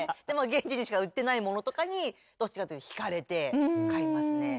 現地にしか売ってないものとかにどっちかというとひかれて買いますね。